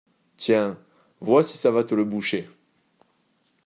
Tiens, vois si ça va te le boucher!